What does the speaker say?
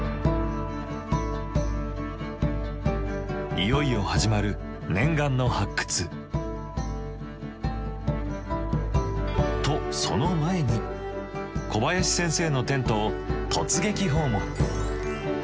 いよいよ始まる念願の発掘。とその前に小林先生のテントを突撃訪問。